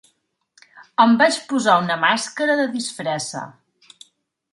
Em vaig posar una màscara de disfressa.